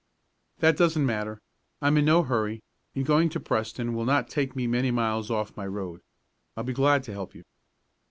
"That doesn't matter. I'm in no hurry, and going to Preston will not take me many miles off my road. I'll be glad to help you."